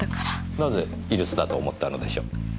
なぜ居留守だと思ったのでしょう？